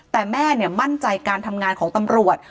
แต่แม่มั่นใจการทำงานของตำรวจ